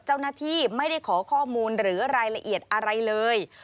เจ้าหน้าที่ไม่ได้ขอข้อมูลหรือรายละเอียดอะไรเลย